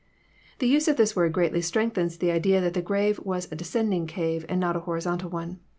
The use of this word greatly strengthens the idea that the grave was a descending cave, and not a horizontal one.